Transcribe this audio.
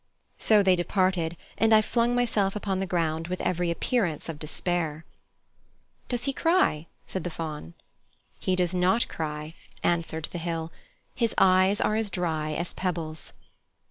So they departed and I flung myself upon the ground with every appearance of despair. "Does he cry?" said the Faun. "He does not cry," answered the hill. "His eyes are as dry as pebbles."